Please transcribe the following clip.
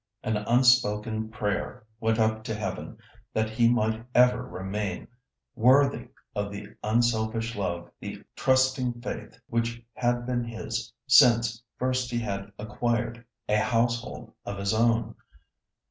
An unspoken prayer went up to heaven that he might ever remain worthy of the unselfish love, the trusting faith which had been his since first he had acquired a household of his own.